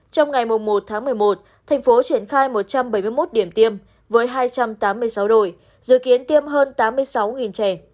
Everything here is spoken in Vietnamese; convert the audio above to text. trong ngày một tháng một mươi một thành phố triển khai một trăm bảy mươi một điểm tiêm với hai trăm tám mươi sáu đội dự kiến tiêm hơn tám mươi sáu trẻ